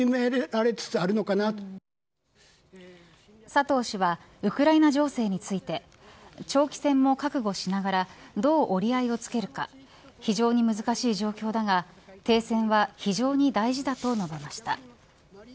佐藤氏はウクライナ情勢について長期戦も覚悟しながらどう折り合いをつけるか非常に難しい状況だが停戦は非常に大事だと述べました。